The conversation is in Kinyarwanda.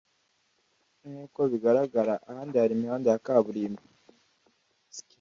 nk’uko bigaragara ahandi hari imihanda ya kaburimbo